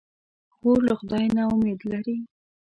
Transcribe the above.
خور له خدای نه امید لري.